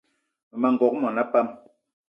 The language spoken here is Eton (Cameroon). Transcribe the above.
Mmema n'gogué mona pam